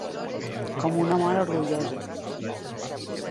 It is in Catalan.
Com una mare orgullosa.